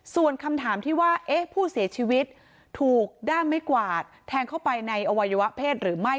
ส่วนคำถามที่ว่าเอ๊ะผู้เสียชีวิตถูกด้ามไม่กวาดแทงเข้าไปในอวัยวะเพศหรือไม่